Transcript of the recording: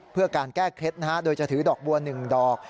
เพื่อการแก้เคล็ดนะฮะโดยจะถือดอกบัว๑ดอก